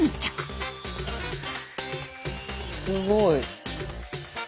すごい。